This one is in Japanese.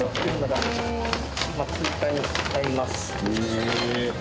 へえ。